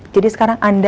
jadi sekarang anda